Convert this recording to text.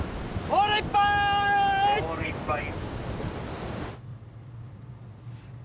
ポールいっぱい。